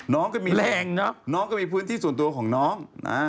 น้องก็มีพื้นที่ส่วนตัวของน้อง